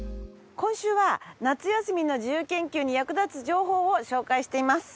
今週は夏休みの自由研究に役立つ情報を紹介しています。